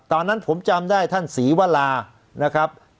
ตอนนั้นผมจำได้ท่านศรีวรานะครับ